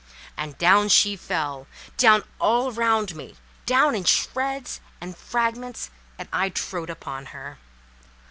And down she fell—down all around me—down in shreds and fragments—and I trode upon her.